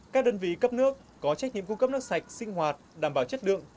các đơn vị cấp nước có trách nhiệm cung cấp nước sạch sinh hoạt đảm bảo chất lượng